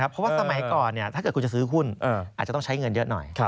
เพราะว่าสมัยก่อนถ้าเกิดคุณจะซื้อหุ้นอาจจะต้องใช้เงินเยอะหน่อย